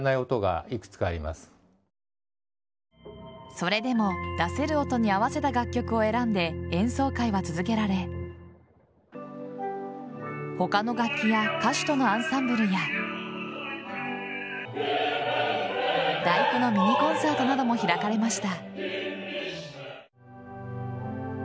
それでも、出せる音に合わせた楽曲を選んで演奏会は続けられ他の楽器や歌手とのアンサンブルや「第九」のミニコンサートなども開かれました。